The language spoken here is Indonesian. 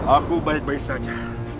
aku baik baik saja